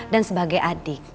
dan sebagai adik